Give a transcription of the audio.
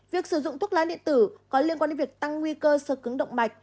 việc sử dụng thuốc lá điện tử có liên quan đến việc tăng nguy cơ sơ cứng động mạch